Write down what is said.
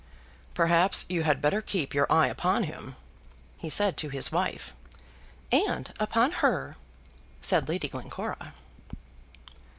"Perhaps you had better keep your eye upon him," he said to his wife. "And upon her," said Lady Glencora.